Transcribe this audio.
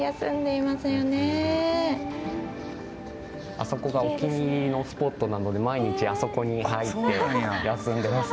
あそこがお気に入りのスポットなので毎日あそこに入って休んでます。